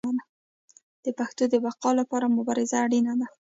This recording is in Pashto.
د پښتو د بقا لپاره مبارزه اړینه ده.